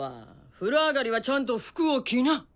風呂上がりはちゃんと服を着な！